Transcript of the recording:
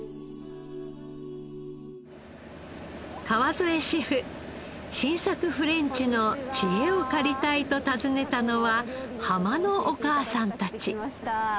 川副シェフ新作フレンチの知恵を借りたいと訪ねたのは浜のお母さんたち。